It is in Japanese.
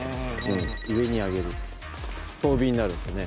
上に上げる遠火になるんですよね。